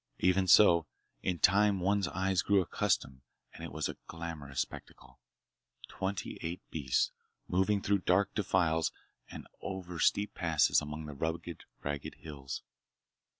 Even so, in time one's eyes grew accustomed and it was a glamorous spectacle—twenty eight beasts moving through dark defiles and over steep passes among the rugged, ragged hills.